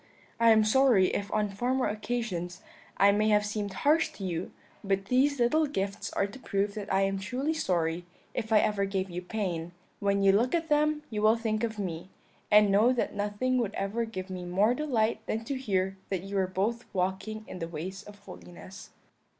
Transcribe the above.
I am sorry if on former occasions I may have seemed harsh to you, but these little gifts are to prove that I am truly sorry if ever I gave you pain; when you look at them you will think of me, and know that nothing would ever give me more delight than to hear that you were both walking in the ways of holiness.'